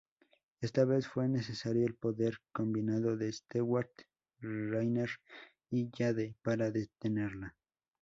Esta vez, fue necesario el poder combinado de Stewart, Rayner y Jade para detenerla.